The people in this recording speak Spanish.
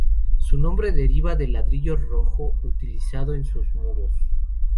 Su nombre deriva del ladrillo rojo utilizado en sus muros.